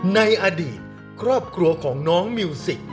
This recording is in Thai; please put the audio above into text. ในอดีตครอบครัวของน้องมิวสิก